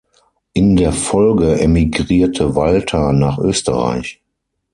In der Folge emigrierte Walter nach Österreich.